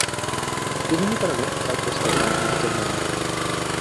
বিভিন্ন কারণে তার প্রস্তাবনা গৃহীত হয়নি।